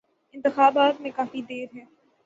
انتخابات میں کافی دیر ہے۔